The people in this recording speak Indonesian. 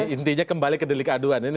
intinya kembali ke delik aduan